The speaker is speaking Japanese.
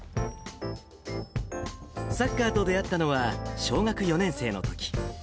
サッカーと出会ったのは小学４年生のとき。